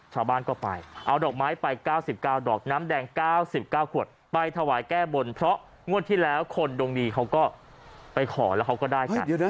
ชาวบ้านก็ไปเอาดอกไม้ไป๙๙ดอกน้ำแดง๙๙ขวดไปถวายแก้บนเพราะงวดที่แล้วคนดวงดีเขาก็ไปขอแล้วเขาก็ได้กัน